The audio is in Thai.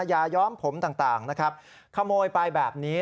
ย้อมผมต่างนะครับขโมยไปแบบนี้